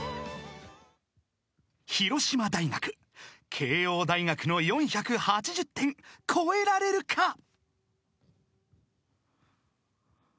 ［広島大学慶應大学の４８０点超えられるか？］